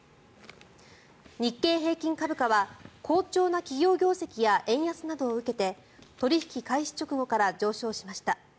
日経平均株価は好調な企業業績や円安などを受けて取引開始直後から上昇しました。